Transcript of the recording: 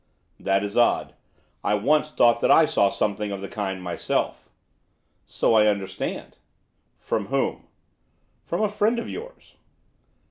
'That is odd. I once thought that I saw something of the kind myself.' 'So I understand.' 'From whom?' 'From a friend of yours.